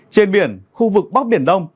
trên biển khu vực bắc biển đông